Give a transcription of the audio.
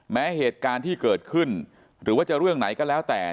เหตุการณ์ที่เกิดขึ้นหรือว่าจะเรื่องไหนก็แล้วแต่